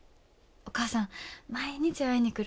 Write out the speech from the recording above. お母さん毎日会いに来る。